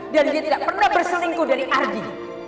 dan dia tidak pernah berselingkuh dari ardi